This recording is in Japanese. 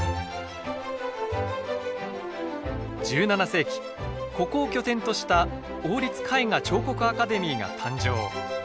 １７世紀ここを拠点とした王立絵画彫刻アカデミーが誕生。